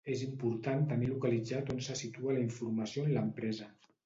És important tenir localitzat on se situa la informació en l'empresa.